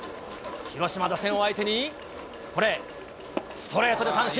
広島打線を相手に、これ、ストレートで三振。